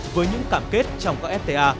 với những cảm kết trong các fta